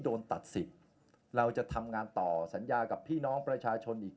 โดนตัดสิทธิ์เราจะทำงานต่อสัญญากับพี่น้องประชาชนอีก